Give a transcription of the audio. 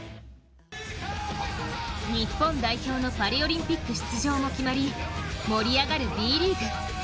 日本代表のパリオリンピック出場も決まり盛り上がるＢリーグ。